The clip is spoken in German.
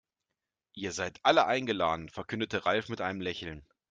Ihr seid alle eingeladen, verkündete Ralf mit einem Lächeln.